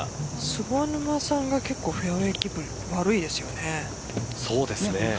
菅沼さんがフェアウエーキープ結構悪いですよね。